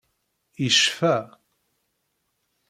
Yecfa.